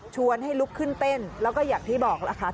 ให้ลุกขึ้นเต้นแล้วก็อย่างที่บอกล่ะค่ะ